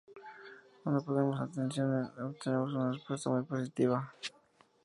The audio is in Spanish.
Cuando ponemos la canción, obtenemos una respuesta muy positiva.